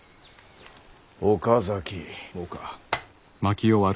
岡崎もか？